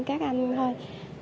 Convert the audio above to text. các anh thôi